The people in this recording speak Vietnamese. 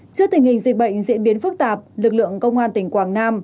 trước tình hình dịch bệnh diễn biến phức tạp lực lượng công an tỉnh quảng nam